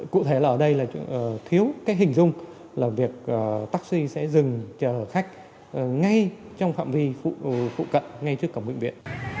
cụ thể là ở đây là thiếu cái hình dung là việc taxi sẽ dừng chờ khách ngay trong phạm vi phụ cận ngay trước cổng bệnh viện